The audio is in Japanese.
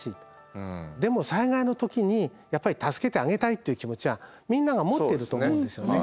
でも災害の時にやっぱり助けてあげたいっていう気持ちはみんなが持ってると思うんですよね。